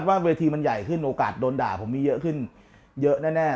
ว่าเวทีมันใหญ่ขึ้นโอกาสโดนด่าผมมีเยอะขึ้นเยอะแน่